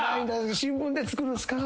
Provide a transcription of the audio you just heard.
新聞で作るんすか？